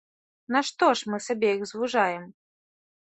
Нашто ж мы сабе іх звужаем?